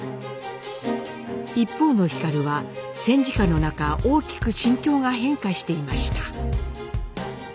一方の皓は戦時下の中大きく心境が変化していました。